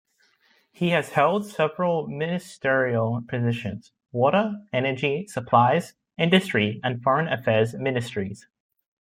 He has held several ministerial positions; water, energy, supplies, industry and foreign affairs ministries.